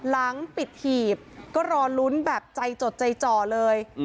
ล้างปิดหี่บก็รอลุ้นแบบใจโจทย์ใจจ่อเลย